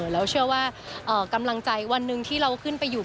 เราเชื่อว่ากำลังใจวันหนึ่งที่เราขึ้นไปอยู่